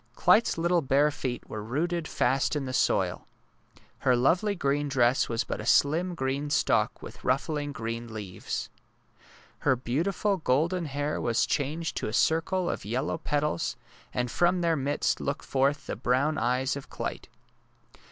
Clyte 's little bare feet were rooted fast in the soil. Her lovely green dress was but a slim green stalk with ruffling green leaves. 206 DAISY AND SUNFLOWER Her beautiful golden hair was changed to a circle of yellow petals, and from their midst looked forth the brown eyes of Clyte.